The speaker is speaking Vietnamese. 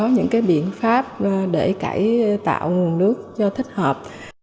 những cái biện pháp để cải tạo nguồn nước cho thích hợp